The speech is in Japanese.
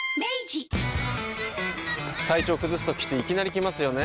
体調崩すときっていきなり来ますよね。